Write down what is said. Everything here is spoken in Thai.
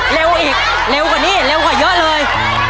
เร็วอีกเร็วกว่านี้เร็วกว่าเยอะเลย